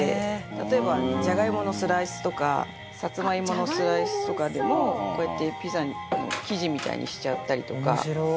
例えばジャガイモのスライスとかサツマイモのスライスとかでもこうやって、ピザに生地みたいにしちゃったりとか。